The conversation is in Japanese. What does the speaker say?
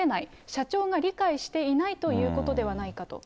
社長が理解していないということではないかと。